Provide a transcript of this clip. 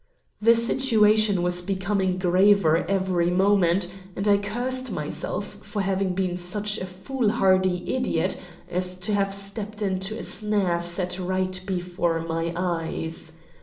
The situation was becoming graver every moment, and I cursed myself for having been such a foolhardy idiot as to have stepped into a snare set right before my eyes.